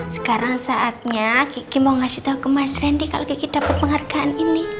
sekarang saatnya kiki mau ngasih tau ke mas randy kalo kiki dapet penghargaan ini